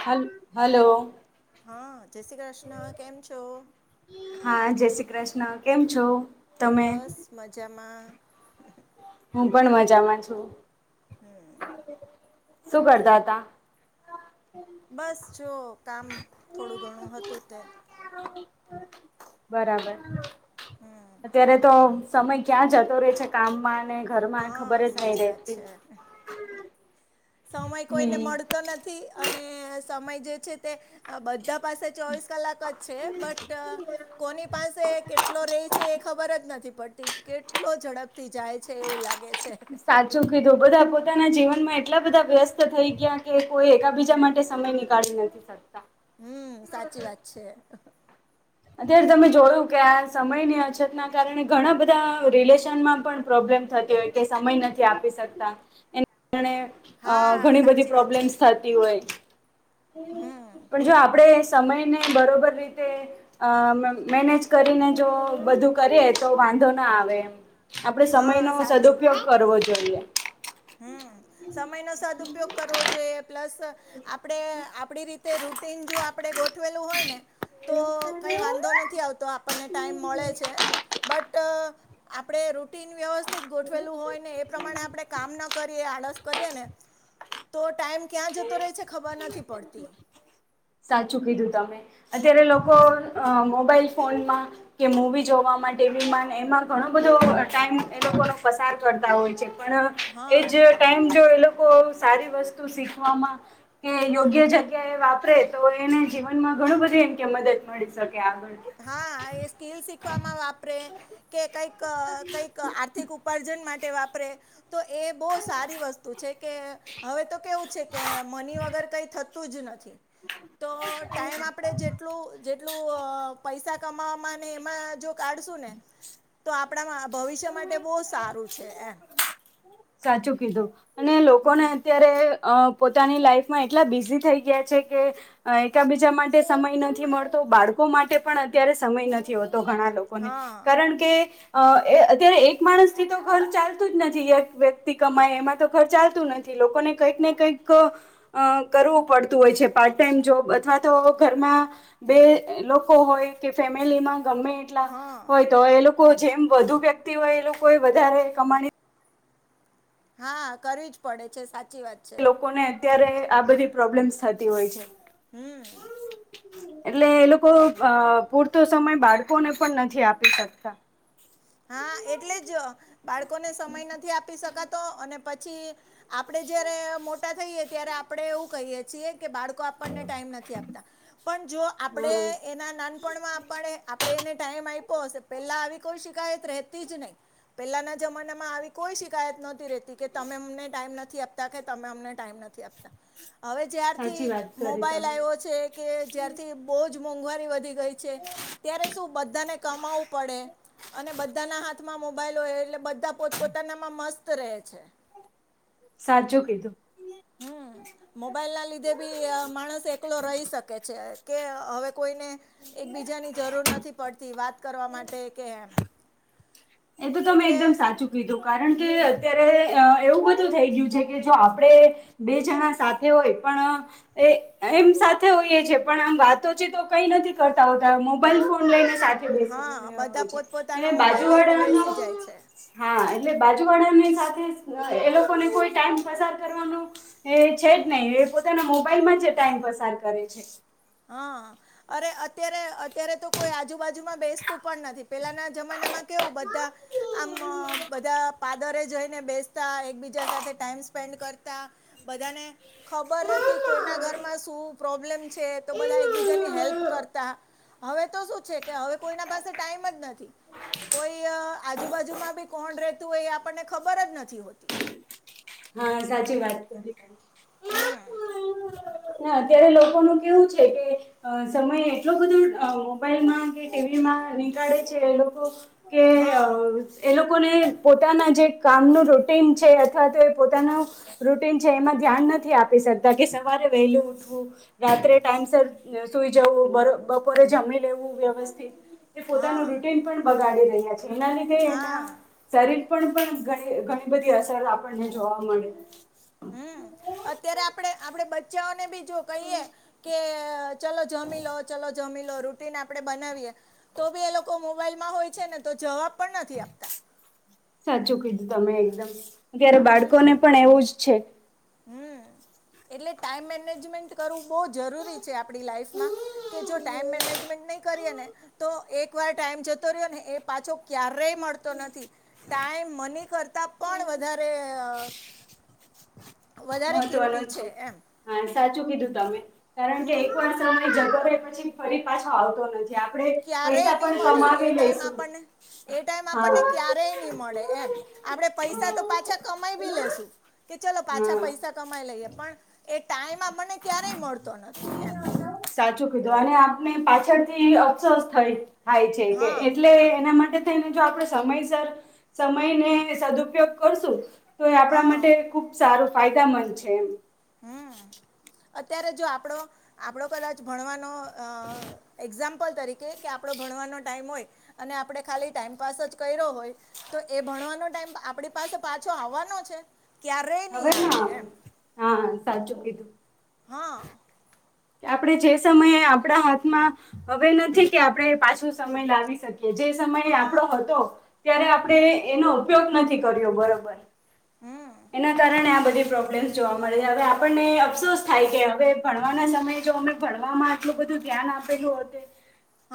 હલ હલો. હા, જય શ્રી કૃષ્ણ. કેમ છો? હા જય શ્રી કૃષ્ણ કેમ છો? તમે? બસ મજામાં. હું પણ મજામાં છું. હમ્મ. શું કરતા હતા? બસ જો કામ થોડું ઘણું હતું તે. બરાબર. હમ્મ. અત્યારે તો સમય ક્યાં જતો રહે છે કામમાં અને ઘરમાં હા ખબર જ નહી સાચી વાત રહેતી. છે સમય કોઈને હમ. મળતો નથી અને સમય જે છે તે બ બધાં પાસે ચોવીસ કલાક જ છે બટ કોની પાસે કેટલો રે છે એ ખબર જ નથી પડતી કેટલો ઝડપ થી જાય છે એવું લાગે છે. સાચું કીધું બધા પોતાના જીવનમાં એટલા બધા વ્યસ્ત થઈ ગયા કે કોઈ એકાબીજા માટે સમયની કાઢવું. હમ્મ, સાચી વાત છે. અત્યારે તમે જોયું કે આ સમયની અછતના કારણે ઘણા બધા રિલેશનમાં પણ પ્રોબ્લેમ થતી હોય. કે સમય નથી આપી શકતા એના કારણે અ હા ઘણી બધી સાચી વાત છે પ્રોબ્લેમ્સ થાય. તી હોય. હમ પણ જો આપણેે સમયને બરોબર રીતે અ મેનેજ કરીને જો બધું કરીએ તો વાંધો ના આવે એમ. આપડે સમય હા નો સદઉપયોગ કરવો જોઈએ. હમ્મ, સમય નો સદઉપયોગ કરવો જોઈએ પ્લસ આપણે આપડી રીતે રૂટીન જો આપણે ગોઠવેલું હોય ને તો કંઈ વાંધો નથી આવતો આપણને ટાઈમ મળે છે બટ આપડે રૂટીન વ્યવસ્થિત ગોઠવેલું હોય ને એ પ્રમાણે આપણે કામ ના કરીએ આળસ કરીએ ને તો ટાઈમ ક્યાં જતો રહે છે ખબર નથી પડતી. સાચું કીધું તમે અત્યારે લોકો અ મોબાઈલ ફોનમાં કે મૂવી જોવામા ટી વી મા એમાં ઘણો બધો ટાઈમ એ લોકો પસાર કરતા હોય છે પણ હા એજ ટાઈમ જો એ લોકો સારી વસ્તુ શીખવામાં કે યોગ્ય જગ્યા એ વાપરે તો એને જીવનમાં ઘણું બધું એમ કે શકે આગળ. હા એ સ્કીલ શીખવામાં વાપરે કે કંઈક કઈક આર્થિક ઉપ પર્જન માટે વાપરે તો એ બહુ સારી વસ્તુ છે કે હવે તો કેવું છે કે મની વગર કઈ થત તું જ નથી તો ટાઈમ આપણે જેટલું જેટલું પૈસા કમાવામાં ને એમાં જો કાઢશું ને તો આપણામાં ભવિષ્ય માટે બહુ સારું છે એમ. સાચું કીધું અને લોકોને હમ અત્યારે પોતાની લાઈફમાં એટલા બિઝી થઈ ગયા છે કે એકબીજા માટે સમય નથી મળતો બાળકો માટે પણ અત્યારે સમય નથી હોતો ઘણા લોક લોકોને હા કારણકે અ એ અત્યારે એક માણસ થી તો ઘર ચાલતું જ નથી એક વ્યક્તિ કમાય એમાં તો ઘર ચાલતું નથ. થી લોકોને કંઈક ને કંઈક અ કરવું પડતું હોય છે પાર્ટ ટાઈમ જોબ અથવા તો ઘરમાં બે લોકો હોય કે ફેમિલી માં ગમે એ એટલા હા હોય તો એ લોકો જેમ વધુ વ્યક્તિ હોય એ લોકો એ વધારે કમાણી હા કરવી જ પડે છે સાચી વાત. છે લોકોને અત્યારે આ બધી પ્રોબ્લેમ્સ થતી હોય છે. [unintelligible] એટલે એ લોકો અ પૂરતો સમય બાળકોને પણ નથી આપી શકતા. હા એટલે જ બાળકોને સમય નથી આપી શકાતો અને પછી આપડે જયારે મોટા થઈએ ત્યારે આપડે એવું કહીએ છીએ કે બાળકો આપણને ટાઈમ નથી આપતા પણ જો આપડે હમ એના ના નપણમા આપાડે આપણે એને ટાઈમ આય્પો હશે પેલા આવી કોઈ શી કાયત રહેતી જ નઈ પેલાના જમાનામા આવી કોઈ શિકાયત નોત તી રહેતી કે તમે અમને ટાઈમ નથી આપતા કે તમે અમને ટાઈમ નથી આપત હવે જ્યારથી સાચી વાત કરી મોબાઈલ તમે આય્વો છે કે જ્યારથી બોજ મોંઘવારી વધી ગય છે ત્યારે શું બધાને કમાવું પડે અને બધાના હાત હાથમાં મોબાઈલ હોય એટલે બધા પોત પોતાનામાં મસ્ત રહે છે. સાચું કીધું. હમ મોબાઈલ ના લીધે ભી અ માણસ એકલો રહી શકે છે કે હવે કોઈને એક બીજાની જરૂર નથી પડતી વાત કરવા માટે કે એમ એ તો તમે એટલે એકદમ સાચું કારણ કે હમ અત્યારે અ એવું બધું થઈ ગયું છે કે જો આપડે બે જણા સાથે હોય પણ એ એમ સાથે હોઈએ છે પણ આમ વાતો ચિતો કઈ નથી કરતા હોતા મોબાઈલ ફોન લઈને સા હા બધા પોતપોતાનો મોબાઈલ લઈને બાજુવાળાનો બેસી જાય છે. હા એટલે બાજુવાળાનીય સાથે એ લોકોને કોઈ ટાઈમ પસાર કરવાનો એ છે જ નય એ પોતાના મોબાઈલ માં જ ટાઈમ પસાર કરે છે. હા અરે અત્યારે અત્યારે તો કોઈ આજુબાજુમાં બેસતું પણ નથી પેલાના જમાનામાં કેવું બધા આમ બધા પાદરે જઈને બેસ તા એકબીજા સાથે ટાઈમ સ્પેન્ડ કરતા બધાને ખબર રહેતી કોઈના ઘરમાં શું પ્રોબ્લેમ છે તો બધા એકબીજાની હેલ્પ કરતા હવે તો શું છે કે હવે કોઈના પાસે ટાઈમ જ નથી. કોય આજુબાજુમાં બી કોણ રેતું હોય એ આપણને ખબર જ નથી. હા સાચી વાત કરી. હમ ના અત્યારે લોકોનું કેવું છે કે અ સમય એટલો બધો અ મોબાઈલમાં કે ટીવીમાં નીકાળે છે એ લોકો કે અ હા એ લોકોને પોતાના જે કામનું રૂટીન છે અથવા તો એ પોતાનું રૂટીન છે એમાં ધ્યાન નથી આપી શકતા કે સવારે વહેલું ઉઠવું રાત્રે ટાઈમ સર અ સુઈ જવું બ બપોરે જમી લેવું વ્યવસ્થિત પોતાનું હા રૂટીન પણ બગાડી રહ્યા છે એના લીધે એના હા શરીર પણ પણ ઘણી ઘણી બધી અસર આપણને જોવા મળે. હમ અત્યારે આપડે આપડે બચ્ચાઓને બી જો કહીએ કે ચલો જમી લો ચલો જમી લો રૂટીન આપડે બનાવીએ તો બી એ લોકો મોબાઈલમાં હોય છે ને તો જવાબ પણ નથી આપતા. સાચું કીધું તમે એકદમ અત્યારે હમ બાળકોને પણ એવું જ છે. હમ એટલે ટાઈમ મેનેજમેન્ટ કરવું બો જરૂરી છે આપડી લાઈફમાં કે જો ટાઈમ મેનેજમેન્ટ નહીં કરીએ ને તો એકવાર ટાઈમ જતો રહ્યો ને એ પાછો ક્યારેય મળતો નથી ટાઈમ મની કરતાં પણ વધારે અ વધારે મહત્વનો કિંમતી છે એમ હા સાચું કીધું તમે કારણ કે હમ એકવાર સમય જતો રહે પછી ફરી પાછો આવતો નથી. આપણે ક્યારેય પૈસા ની પણ મળે એ કમાવી ટાઈમ લઈશું આપણને એ ટાઈમ હા આપણને હા ક્યારેય નહી મળે એમ આપડે પૈસા તો પાછા કમાઈ બી લેશું, કે ચલો પાછા પૈસા. કમાઈ લઈએ, પણ એ ટાઈમ આપણ ને ક્યારેય મળતો નથી એમ. સાચું કીધું અને આપને પાછળથી અફસોસ થઇ. થાય છે, કે હા એટલે એના માટે. જો આપડે સમયસર સમયને સદુપયોગ કરશું તો એ આપણા હા માટે ખૂબ સારું ફાયદામંદ છે એમ હમ્મ અત્યારે જો, આપણો આપડો કદાચ ભણવાનો એક્ઝામ્પલ તરીકે કે આપડો ભણવાનો ટાઈમ હોય, અને આપણે ખાલી ટાઈમપાસ જ કર્યો હોય તો એ ભણવાનો ટાઈમ આપણી પાસે પાછો આવવાનો છે. ક્યારેય હવે નહીં ના આવે, એમ હા સાચું કીધું. હા આપણે જે ને સમયે આપણા હાથમાં હવે નથી કે આપણે પાછો સમય લાવી શકીએ જે સમય હા આપડો હતો ત્યારે આપણે હમ એનો ઉપયોગ નથી કર્યો બરોબર હમ એના કારણે આ બધી પ્રોબ્લેમ્ જોવા મળે હવે, આપણને અફસોસ થાય કે હવે ભણ ભણતર ના સમયે જો ભણવામાં અમે આટલું બધું ધ્યાન આપેલું હો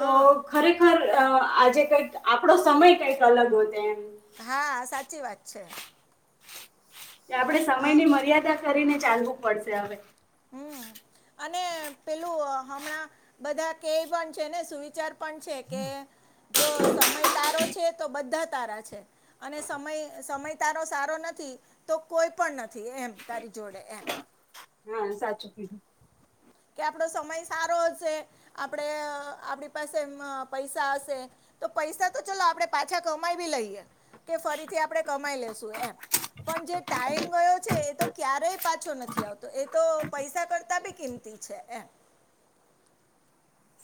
તો ખરેખર તો અ આજે કઈક આપડો સમય કઈક અલગ હોત એમ હા સાચી વાત છે. કે આપણે હા સમયની મર્યાદા કરીને ચાલવું પડશે હવે. હમ્મ અને પેલું હમણાં બધા કહે પણ છે ને સુવિચાર પણ છે કે જો સમય તારો છે તો બધા તારા છે. અને સમય, સમય તારો સારો નથી તો કોઈ પણ નથી એમ તારી જોડે એમ હા સાચું કીધું. કે આપડો સમય સારો હશે. આપડે આપડી પાસે પૈસા હશે. તો પૈસા તો ચલો આપણે પાછા કમાઈ બી લઈએ. કે ફરીથી આપણે કમાઈ લેશું એમ, પણ જે ટાઈમ ગયો છે એ તો ક્યારેય પાછો નથી આવતો, એ તો પૈસા કરતા બી કિંમતી છે એમ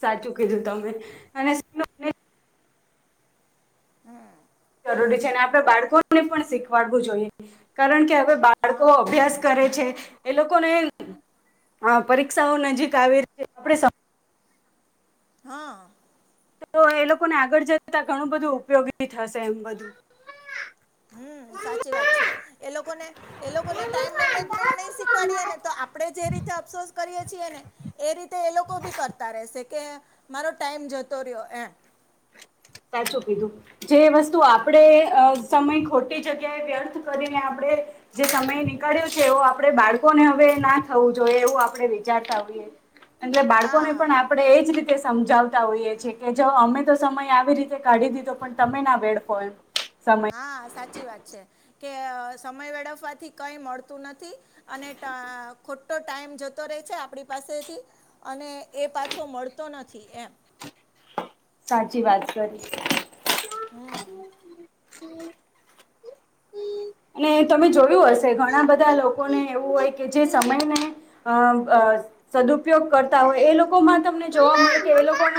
સાચું કીધું તમે અને હમ્મ જરૂરી છે. અને આપણે બાળકોને પણ શીખવાડવું જોઈએ કારણ કે હવે બાળકો હા અભ્યાસ કરે છે એ લોકોને પરીક્ષાઓ નજીક આવે રહી છે આપ હા તો એ લોકોને આગળ જતા ઘણું બધું ઉપયોગી થશે એમ બધું હમ્મ સાચી વાત છે એ લોકો ને એ લોકોને ટાઈમ મેનેજમેન્ટ નહી શીખવાડીએે ને, તો આપણે જે રીતે અફસોસ કરીએ છીએ ને એ રીતે એ લોકો બી કરતા રહેશે કે, મારો ટાઈમ જતો રહ્યો એમ સાચું કીધું. જે વસ્તુ આપણેે સમય ખોટી જગ્યાએ વ્યર્થ કરીને આપણે જે સમય નીકળ્યો છે, એવો આપણે બાળકોને હવે ના થવું જોઈએ એવું આપણે વિચારતા હોઈએ. એટલે બાળકોને હા પણ આપણે એજ રીતે સમજાવતા હોઈએ છેએ કે જો અમે તો સમય આ આવી રીતે કાઢી દીધો પણ તમે ના વેડફો એમ સમય હા સાચી વાત છે, કે સમય વે ડફવાથી કઈ મળતું નથી. અને ખોટો ટાઈમ જતો રહે છે આપણી પાસેથી અને એ પાછો મળતો નથી એમ. સાચી વાત કરી. હમ્મ. અને તમે જોયું હશે ઘણા બધા લોકોને એવું હોય કે જે સમય ને અમ અ સદુપયોગ કરતા હોય એ લોકોમાં તમને જોવા મળે છે એ લોકોન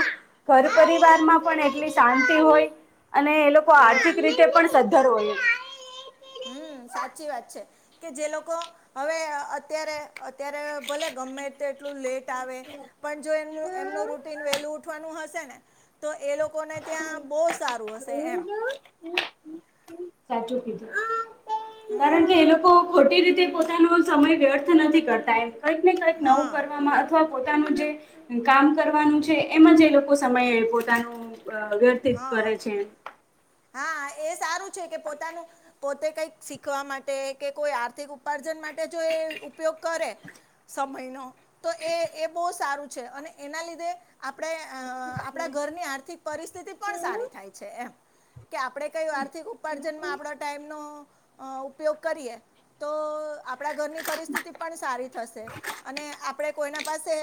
ઘર પરિવારમાં પણ એટલી શાંતિ હોય અને એ લોકો હા આર્થિક રીતે પણ સદ્ધર હોય. હમ્મ, સાચી વાત છે. કે જે લોકો હવે અત્યારે અત્યારે ભલે ગમે તે એટલું લેટ આવે પણ જો એ એમનું રૂટીન વેલું ઉઠવાનું હશે ને તો એ લોકોને ત્યાં બહુ સારું હશે એમ. સાચું કીધું હમ કારણ કે એ લોકો ખોટી રીતે પોતાનો સમય વ્યર્થ નથી કરતા એમ કંઈક ને કંઈક નવું હા કરવામાં અથ પોતાનું જે કામ કરવાનું છે એમાં જે લોકો સમયે પોતાનું અ વ્યતીત કરે હા છે. હા, એ સારું છે કે પોતાનું પોતે કઈક શીખવા માટે કે કોઈ આર્થિક ઉપાર્જન માટે જો એ ઉપયોગ કરે સમયનો તો એ એ બહુ સારું છે અને એના લીધે આપણે અ આપણા ઘરની આર્થિક પરિસ્થિતિ પણ સારી થાય છે એમ. કે આપણે કંઈ આર્થિક ઉપાર્જનમાં આપણા ટાઈમનો અ ઉપયોગ કરીએ તો આપણા ઘરની પરિસ્થિતિ પણ સારી થશે અને આપણે કોઈના પાસે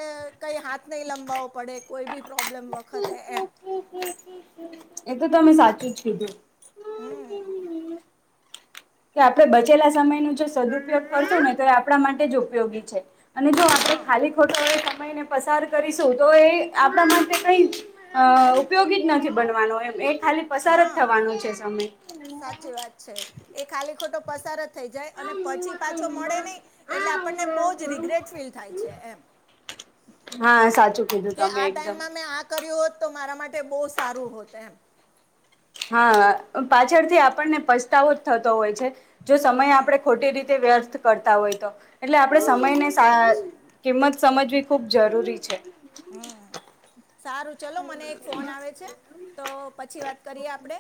કંઈ હાથ નહીં લંબાવવો પડે કોઈ બી પ્રોબ્લેમ વખતે એમ. એ તો તમે સાચું જ કીધું. હમ્મ. કે આપણે બચેલા સમય ન જો સદુપયોગ કરશું ને તો એ આપણા માટે જ ઉપયોગી છે. અને જો આપણે હા ખાલી ખોટો એ સમયને પસાર કરીશું તો એ આપણા માટે કઈ અ ઉપયોગી જ નથી બનવાનો એમ એ ખાલી પસાર જ હા થવાનું છે સમય. સાચી વાત છે, એ ખાલી ખોટો પસાર જ થઈ જાય અને પછી પાછો મળે નહી એટલે આપણને બહુ જ રિગ્રેટ ફુલ થાય છે એમ. હા સાચું. કીધું કે તમે આ એકદમ ટાઈમમાં મેં આ કર્યું હોત તો મારા માટે બહુ સારું હોત એમ. હા, પાછળથી આપણને પસ્તાવો જ થતો હોય છે. જો સમય હમ આપણે ખોટી રીતે વ્યર્થ કરતા હોય તો એટલે આપણે હા સમયને સાચી સા વાત છે કિંમત સમજવી ખૂબ જરૂરી છે. હમ્મ, સારું. ચલો મને એક ફોન આવે છે તો પછી વાત કરીએ આપણે.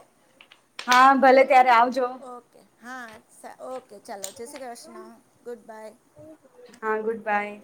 હા ભલે ત્યારે આવજો. ઓકે હા ઓકે ચાલો જય શ્રી કૃષ્ણ, ગુડ બાય. હા ગુડ બાય.